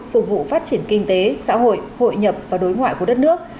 phục vụ phát triển kinh tế xã hội hội nhập và đối ngoại của đất nước